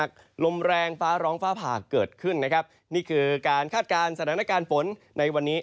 ลมแรงฟ้าร้องฟ้าผ่าเกิดขึ้นนะครับนี่คือการคาดการณ์สถานการณ์ฝนในวันนี้